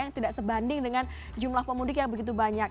yang tidak sebanding dengan jumlah pemudik yang begitu banyak